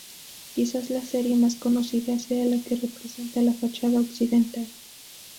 Quizás la serie más conocida sea la que representa la fachada occidental.